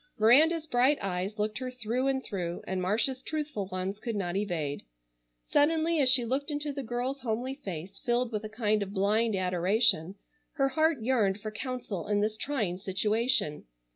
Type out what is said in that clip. Miranda's bright eyes looked her through and through, and Marcia's truthful ones could not evade. Suddenly as she looked into the girl's homely face, filled with a kind of blind adoration, her heart yearned for counsel in this trying situation.